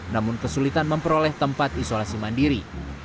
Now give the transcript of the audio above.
namun kesulitan memperoleh tempat isolasi mandiri